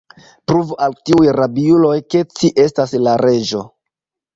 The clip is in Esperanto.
Pruvu al tiuj rabiuloj, ke ci estas la Reĝo!